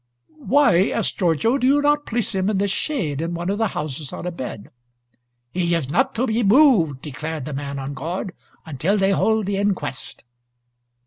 "Why," asked Giorgio, "do you not place him in the shade, in one of the houses, on a bed?" "He is not to be moved," declared the man on guard, "until they hold the inquest."